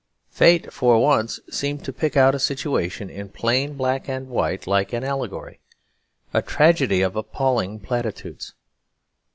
Fate for once seemed to pick out a situation in plain black and white like an allegory; a tragedy of appalling platitudes.